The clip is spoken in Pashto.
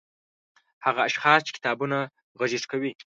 هغه اشخاص چې کتابونه غږيز کوي